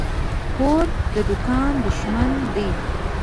پور د دوکان دښمن دى.